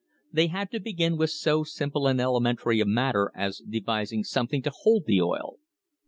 They had to begin with so simple and elementary a matter as devising something to hold the oil.